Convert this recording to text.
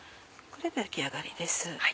これで出来上がりです。